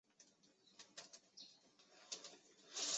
扁果润楠为樟科润楠属下的一个种。